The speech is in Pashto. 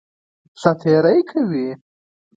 سات تېری کوي.